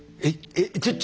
えっ？